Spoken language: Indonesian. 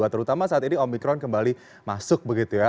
terutama saat ini omikron kembali masuk begitu ya